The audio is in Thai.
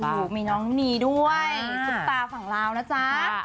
ถูกมีน้องนีด้วยซุปตาฝั่งลาวนะจ๊ะ